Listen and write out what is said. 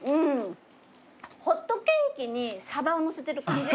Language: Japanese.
ホットケーキにサバを載せてる感じ？